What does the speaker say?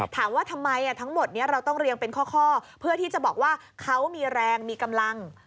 ถามว่าทำไมทั้งหมดนี้เราต้องเรียงเป็นข้อเพื่อที่จะบอกว่าเขามีแรงมีกำลัง